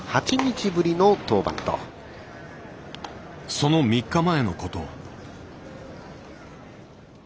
その３日前のこと。